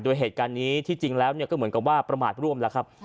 โดยเหตุการณ์นี้ที่จริงแล้วก็เหมือนกับว่าประมาทร่วมแล้วครับ